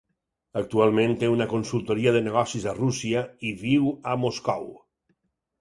Actualment, té una consultoria de negocis a Rússia, i viu a Moscou.